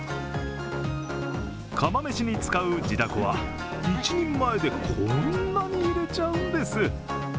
釜飯に使う地だこは一人前で、こんなに入れちゃうんです。